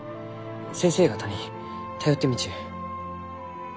先生方に頼ってみちゅう。